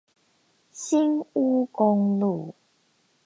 新烏公路